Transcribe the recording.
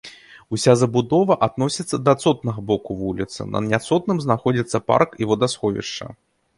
Уся забудова адносіцца да цотнага боку вуліцы, на няцотным знаходзяцца парк і вадасховішча.